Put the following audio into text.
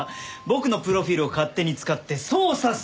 僕のプロフィールを勝手に使って捜査するなんて。